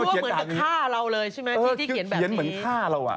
ที่เขียนแบบนี้ค่อยเขียนเหมือนฆ่าเรา